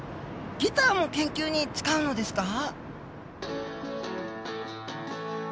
ギターも研究に使うのですか？